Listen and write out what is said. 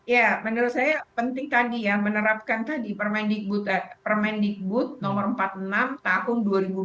ya menurut saya penting tadi ya menerapkan tadi permendikbud nomor empat puluh enam tahun dua ribu dua puluh